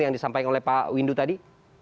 yang disampaikan oleh pak windu tadi